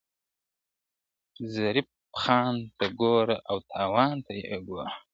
ظریف خان ته ګوره او تاوان ته یې ګوره ,